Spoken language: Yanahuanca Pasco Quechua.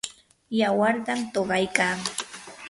yawartam tuqaykaa.